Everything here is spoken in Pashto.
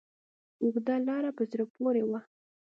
اوږده لاره په زړه پورې وه.